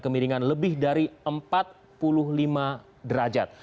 kemiringan lebih dari empat puluh lima derajat